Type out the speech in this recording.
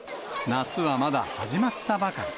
夏はまだ始まったばかり。